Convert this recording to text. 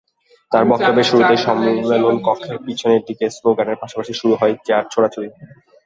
তাঁর বক্তব্যের শুরুতেই সম্মেলনকক্ষের পেছনের দিকে স্লোগানের পাশাপাশি শুরু হয় চেয়ার ছোড়াছুড়ি।